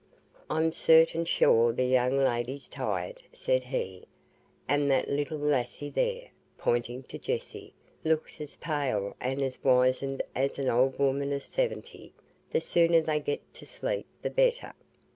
"I'm certain sure the young leddy's tired," said he; "and that little lassie there (pointing to Jessie) looks as pale and as wizened as an old woman of seventy the sooner they gets to sleep the better."